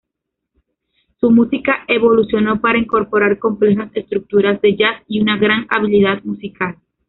Su música evolucionó para incorporar complejas estructuras de "jazz" y una gran habilidad musical.